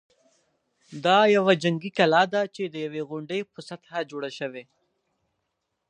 دا یوه جنګي کلا ده چې د یوې غونډۍ په سطحه جوړه شوې.